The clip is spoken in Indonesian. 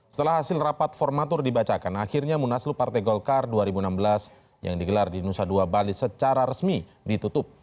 setelah hasil rapat formatur dibacakan akhirnya munaslu partai golkar dua ribu enam belas yang digelar di nusa dua bali secara resmi ditutup